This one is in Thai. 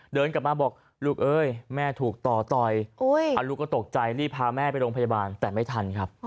เดินกลับมาบอกลูกเอ้ยแม่ถูกต่อต่อยลูกก็ตกใจรีบพาแม่ไปโรงพยาบาลแต่ไม่ทันครับ